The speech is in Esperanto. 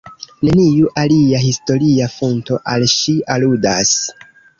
Neniu alia historia fonto al ŝi aludas.